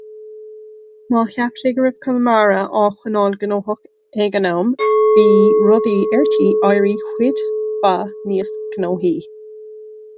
Má cheap sé go raibh Conamara á choinneáil gnóthach ag an am, bhí rudaí ar tí éirí cuid mhaith níos gnóthaí.